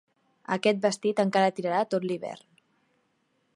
Aquest vestit encara tirarà tot l'hivern.